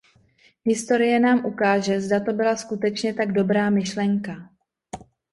Historie nám ukáže, zda to byla skutečně tak dobrá myšlenka.